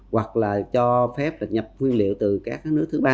hoặc là cho phép là nhập nguyên liệu từ các nước thứ ba